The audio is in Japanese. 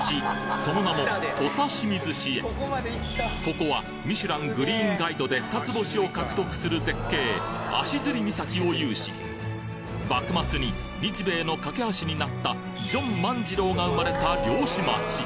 その名も土佐清水市へここはミシュラン・グリーンガイドで二つ星を獲得する絶景足摺岬を有し幕末に日米の架け橋になったジョン万次郎が生まれた漁師町